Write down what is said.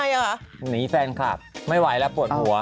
ไม่เหรอคะหนีแฟนครับไม่ไหวแล้วปวดหัว